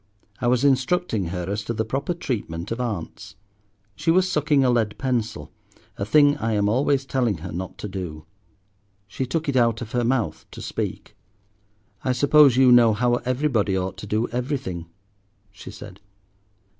I was instructing her as to the proper treatment of aunts. She was sucking a lead pencil, a thing I am always telling her not to do. She took it out of her mouth to speak. "I suppose you know how everybody ought to do everything," she said.